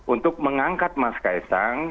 untuk mengangkat mas ksang